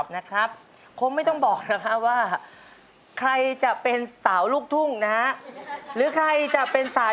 สวัสดีครับสวัสดีค่ะ